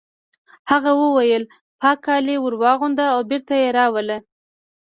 هغه وویل پاک کالي ور واغونده او بېرته یې راوله